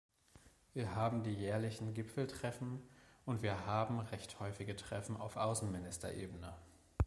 Wir haben die jährlichen Gipfeltreffen und wir haben recht häufige Treffen auf Außenministerebene.